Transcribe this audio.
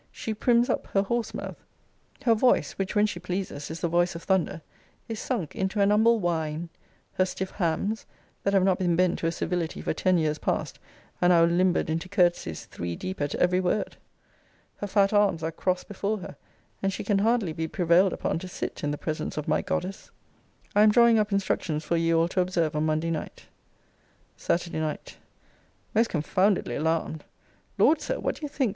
She prims up her horse mouth. Her voice, which, when she pleases, is the voice of thunder, is sunk into an humble whine. Her stiff hams, that have not been bent to a civility for ten years past, are now limbered into courtesies three deep at ever word. Her fat arms are crossed before her; and she can hardly be prevailed upon to sit in the presence of my goddess. I am drawing up instructions for ye all to observe on Monday night. SATURDAY NIGHT. Most confoundedly alarmed! Lord, Sir, what do you think?